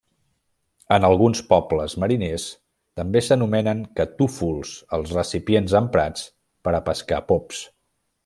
En alguns pobles mariners també s'anomenen catúfols els recipients emprats per a pescar pops.